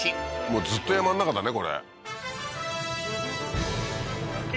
もうずっと山ん中だね